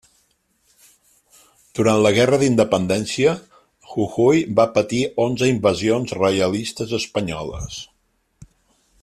Durant la guerra d'independència, Jujuy va patir onze invasions reialistes espanyoles.